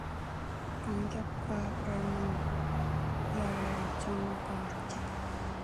감격과 불만, 열정과 재